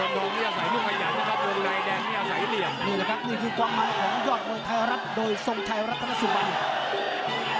นี่แหละครับนี่คือกว่ามันของยอดโรยไทยรัฐโดยทรงไทยรัฐนสุบัน